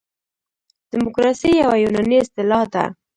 دموکراسي یوه یوناني اصطلاح ده.